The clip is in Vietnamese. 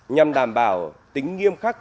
nhằm đảm bảo tính nghiêm khắc